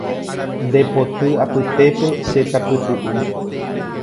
Nde poty apytépe che tapytu’u